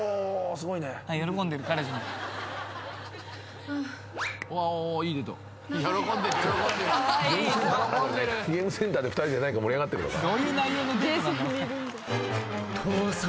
すごいね」「ゲームセンターで２人で盛り上がってるのかな？」